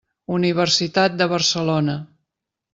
Universitat de Barcelona.